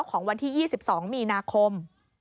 ของวันที่๒๒มีนาคม